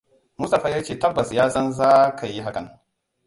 Mustapha ya ce tabbas ya san za ka yi hakan.